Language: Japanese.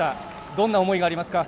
どんな思いがありますか？